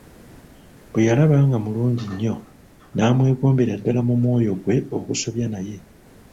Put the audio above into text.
Bwe yalaba nga mulungi nnyo, n'amwegombera ddala mu mwoyo gwe okusobya naye.